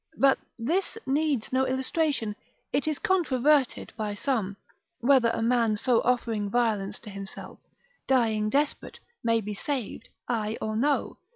But this needs no illustration. It is controverted by some, whether a man so offering violence to himself, dying desperate, may be saved, ay or no?